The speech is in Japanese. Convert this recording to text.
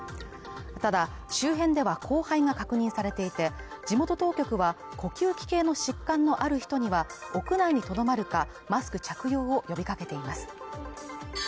ただ周辺では降灰が確認されていて地元当局は呼吸器系の疾患のある人には屋内にとどまるかマスク着用を呼びかけています